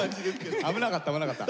危なかった危なかった。